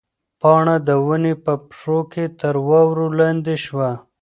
پاڼه د ونې په پښو کې تر واورو لاندې شوه.